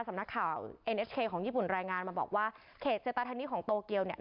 สำนักข่าวเอ็นเอสเชย์ของญี่ปุ่นรายงานมาบอกว่าเขตเซตาธานีของโตเกียวเนี่ย